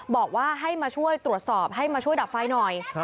บอกว่าให้มาช่วยตรวจสอบให้มาช่วยดับไฟหน่อย